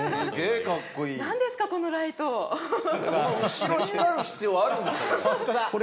後ろ光る必要あるんですかね？